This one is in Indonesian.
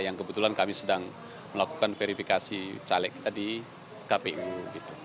yang kebetulan kami sedang melakukan verifikasi caleg tadi kpu